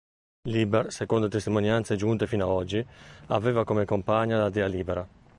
Liber, secondo le testimonianze giunte fino ad oggi, aveva come compagna la dea Libera.